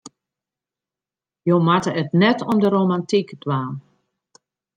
Je moatte it net om de romantyk dwaan.